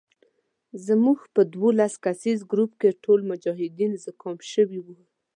زموږ په دولس کسیز ګروپ کې ټول مجاهدین زکام شوي وو.